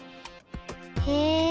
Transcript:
へえ！